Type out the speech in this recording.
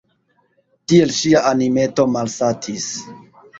Tiel ŝia animeto malsatis.